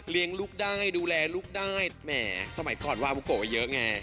เลี้ยงลูกได้ดูแลลูกได้แหมทำไมก่อนว่าบุกก็เยอะไง